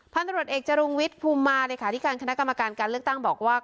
พตรเอกจรุงวิทย์ภูมิมาเลยค่ะที่การคณะกรรมการการเลือกตั้งบอกว่า